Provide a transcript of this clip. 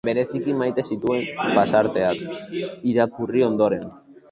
Bereziki maite zituen pasarteak irakurri ondoren.